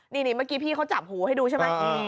นี่เมื่อกี้พี่เขาจับหูให้ดูใช่ไหม